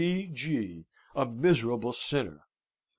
C. G. a miserable sinner!